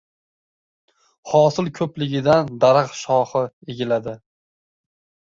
• Hosil ko‘pligidan daraxt shoxi egiladi